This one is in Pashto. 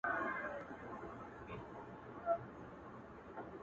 د ګاونډ ښځي د هغې شاوخوا ناستي دي او ژاړي,